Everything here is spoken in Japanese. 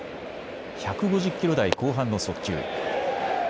１５０キロ台後半の速球。